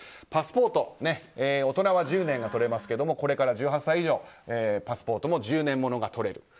パスポート大人は１０年がとれますがこれから１８歳以上パスポートも１０年物がとれる。